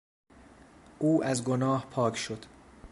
او از گناه پاک شد.